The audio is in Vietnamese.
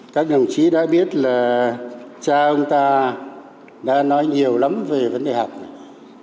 các đồng chí đã biết là cha ông ta đã nói nhiều lắm về vấn đề học này